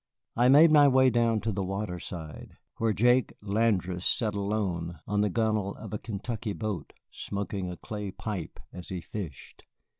I made my way down to the water side, where Jake Landrasse sat alone on the gunwale of a Kentucky boat, smoking a clay pipe as he fished.